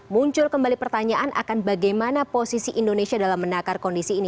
muncul kembali pertanyaan akan bagaimana posisi indonesia dalam menakar kondisi ini